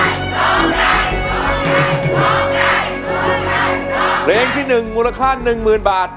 ร้องได้ร้องได้ร้องได้ร้องได้เรนที่หนึ่งมูลค่าหนึ่งหมื่นบาท